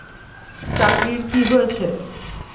চাকরির কী হয়েছে?